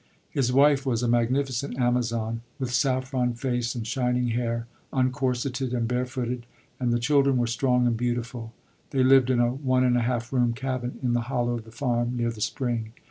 His wife was a magnificent Amazon, with saffron face and shining hair, uncorseted and barefooted, and the children were strong and beautiful. They lived in a one and a half room cabin in the hollow of the farm, near the spring.